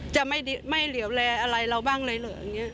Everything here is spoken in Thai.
จะไม่เหลี่ยวแลอะไรเราบ้างเลยเหรอ